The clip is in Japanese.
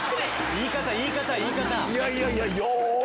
言い方言い方言い方！